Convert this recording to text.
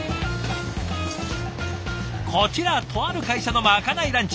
こちらとある会社のまかないランチ。